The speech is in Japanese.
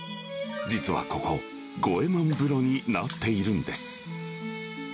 実はここ、五右衛門風呂になっているんです。